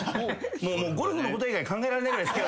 ゴルフのこと以外考えられないぐらい好き。